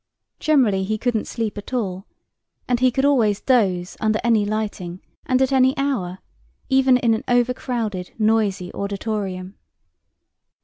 Generally he couldn't sleep at all, and he could always doze under any lighting and at any hour, even in an overcrowded, noisy auditorium.